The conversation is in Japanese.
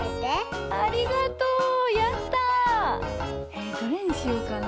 えどれにしようかな？